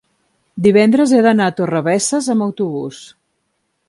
divendres he d'anar a Torrebesses amb autobús.